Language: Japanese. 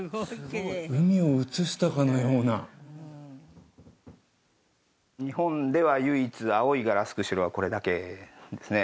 海を映したかのような日本では唯一青いガラス釧はこれだけですね